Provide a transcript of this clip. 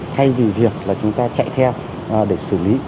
thay vì việc là chúng ta chạy theo để xử lý